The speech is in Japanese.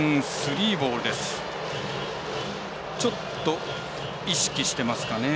ちょっと、意識してますかね。